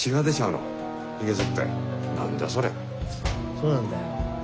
そうなんだよ。